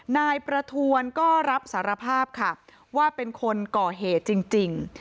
นายประทวนก็รับสารภาพค่ะว่าเป็นคนก่อเหตุจริง